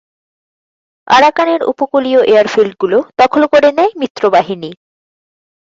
আরাকানের উপকূলীয় এয়ারফিল্ডগুলো দখল করে নেয় মিত্রবাহিনী।